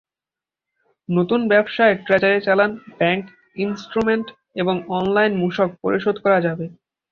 নতুন ব্যবস্থায় ট্রেজারি চালান, ব্যাংক ইন্সট্রুমেন্ট এবং অনলাইনে মূসক পরিশোধ করা যাবে।